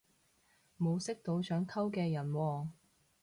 冇識到想溝嘅人喎